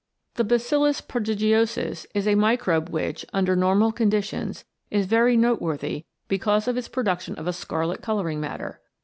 The Bacillus prodigiosus is a microbe which, under normal conditions, is very noteworthy because of its production of a scarlet colouring matter.